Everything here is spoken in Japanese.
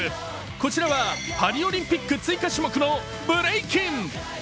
こちらはパリオリンピック追加種目のブレイキン。